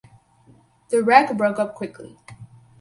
The wreck broke up quickly.